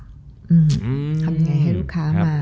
ทำยังไงให้ลูกค้ามา